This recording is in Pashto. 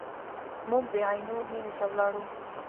موږ د عینو مینې ته ولاړو.